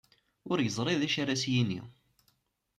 Ur yeẓri d acu ara as-yini.